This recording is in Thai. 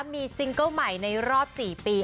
มีซิงเกิ้ลใหม่ในรอบ๔ปี